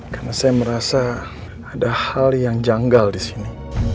karena saya merasa ada hal yang janggal disini